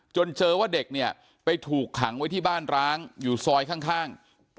เจอว่าเด็กเนี่ยไปถูกขังไว้ที่บ้านร้างอยู่ซอยข้าง